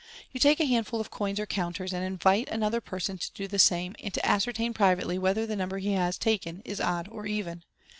You take a handful of coins or counters, and invite another person to do the same, and to ascertain privately whether the number he has taken is odd or even.